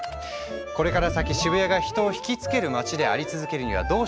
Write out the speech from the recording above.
これから先渋谷が人を引きつける街であり続けるにはどうしたらいいのか？